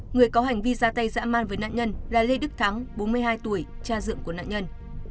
người có hành vi ra tay dã man với nạn nhân là lê đức thắng bốn mươi hai tuổi cha dựng của nạn nhân